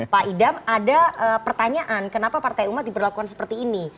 pak idam ada pertanyaan kenapa partai umat diperlakukan seperti ini